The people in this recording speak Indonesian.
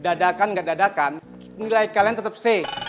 dadakan gak dadakan nilai kalian tetap c